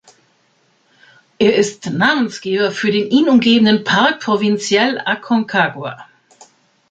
Er ist Namensgeber für den ihn umgebenden Parque Provincial Aconcagua.